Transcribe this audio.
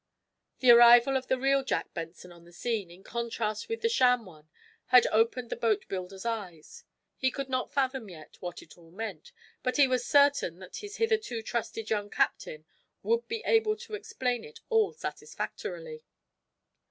The arrival of the real Jack Benson on the scene, in contrast with the sham one, had opened the boatbuilder's eyes. He could not fathom, yet, what it all meant, but he was certain that his hitherto trusted young captain would be able to explain it all satisfactorily.